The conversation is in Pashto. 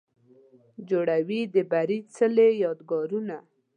جوړوي د بري څلې، یادګارونه